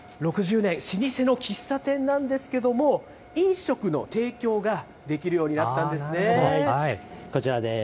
６０年、老舗の喫茶店なんですけれども、飲食の提供ができるようこちらです。